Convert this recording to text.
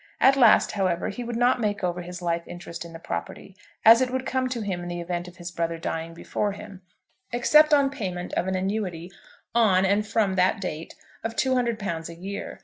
At last, however, he would not make over his life interest in the property, as it would come to him in the event of his brother dying before him, except on payment of an annuity on and from that date of £200 a year.